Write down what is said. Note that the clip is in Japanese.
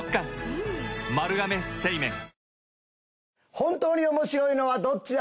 本当に面白いのはどっちだ！？